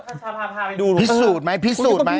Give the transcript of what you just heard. ก็แบบกระชาภาพไปดูพิสูจน์ไหมพิสูจน์ไหม